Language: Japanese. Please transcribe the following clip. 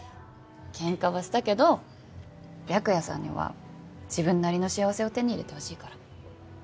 けんかはしたけど白夜さんには自分なりの幸せを手に入れてほしいから。